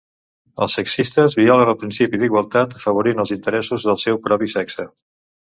Els sexistes violen el principi d'igualtat afavorint els interessos del seu propi sexe.